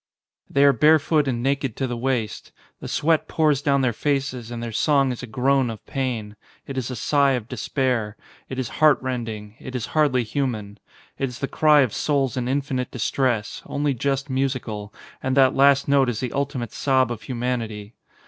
They are bare foot and naked to the waist. The sweat pours down their faces and their song is a groan of pain. It is a sigh of despair. It is heart rending. It is hardly human. It is the cry of souls in infinite distress, only just musical, and that last note is the ultimate sob of humanity.